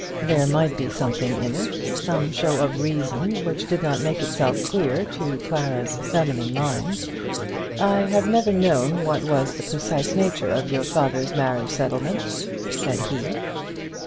There might be something in it, some show of reason which did not make itself clear to Clara's feminine mind. "I have never known what was the precise nature of your father's marriage settlement," said he.